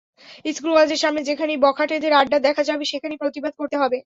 স্কুল-কলেজের সামনে যেখানেই বখাটেদের আড্ডা দেখা যাবে, সেখানেই প্রতিবাদ করতে হবে।